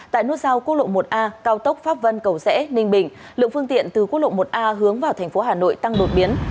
tại nút sau quốc lộ một a cao tốc pháp vân cầu sẽ ninh bình lượng phương tiện từ quốc lộ một a hướng vào tp hà nội tăng đột biến